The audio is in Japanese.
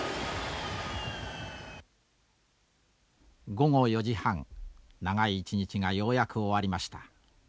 午後４時半長い一日がようやく終わりました。